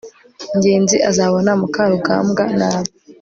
ngenzi azabona mukarugambwa nabi